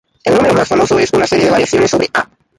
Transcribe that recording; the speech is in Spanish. El número más famoso es una serie de variaciones sobre "Ah!